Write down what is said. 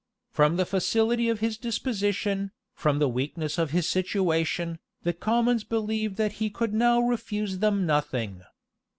From the facility of his disposition, from the weakness of his situation, the commons believed that he could now refuse them nothing.